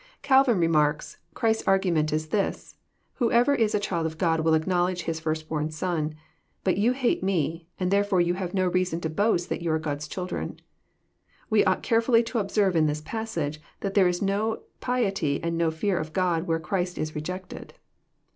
Calvin remarks :*' Christ's argument is this : whoever is a child of God will acknowledge His first born Son ; but you hate M«, and therefore you have no reason to boast that you are God's children. We ought carefully to observe in this passage, that there is no piety and no fear of God where Christ is re jected.